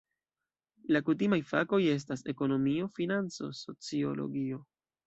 La kutimaj fakoj estas ekonomio, financo, sociologio.